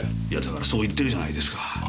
いやだからそう言ってるじゃないですか。